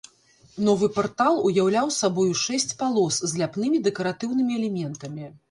Новы партал уяўляў сабою шэсць палос з ляпнымі дэкаратыўнымі элементамі.